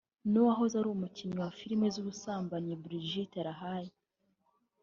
n’ uwohoze ari umukinnyi wa filime z’ ubusambanyi Brigitte Lahaie